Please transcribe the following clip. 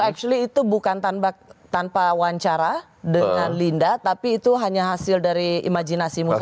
so actually itu bukan tanpa wawancara dengan linda tapi itu hanya hasil dari imajinasimu saja